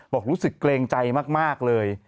บอกรู้สึกเกรงใจมากเลย